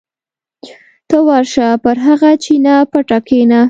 ته ورشه پر هغه چینه پټه کېنه.